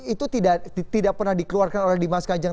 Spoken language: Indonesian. itu tidak pernah dikeluarkan oleh dimas kanjeng